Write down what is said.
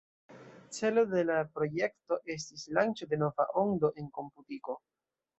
Celo de la projekto estis lanĉo de "nova ondo" en komputiko.